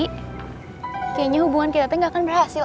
kayaknya hubungan kita itu gak akan berhasil